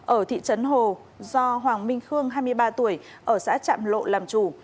ở thị trấn hồ do hoàng minh khương hai mươi ba tuổi ở xã trạm lộ làm chủ